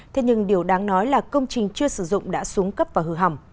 thế nhưng điều đáng nói là công trình chưa sử dụng đã xuống cấp và hư hỏng